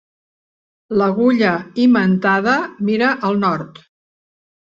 L'agulla imantada mira al nord.